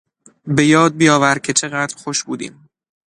به یاد بیاور که چقدر خوش بودیم.